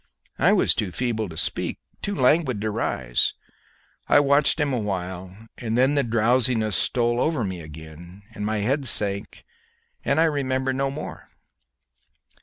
I was too feeble to speak too languid to rise. I watched him awhile, and then the drowsiness stole over me again, and my head sank, and I remember no more."